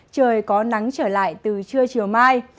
trời có nắng trở lại từ trưa chiều mai